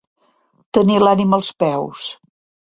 Tenir l'ànima als peus.